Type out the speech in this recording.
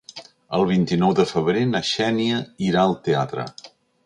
El vint-i-nou de febrer na Xènia irà al teatre.